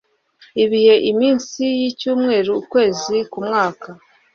Ibihe Iminsi Yicyumweru Ukwezi Kumwaka